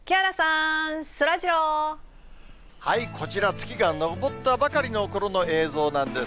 月が昇ったばかりのころの映像なんです。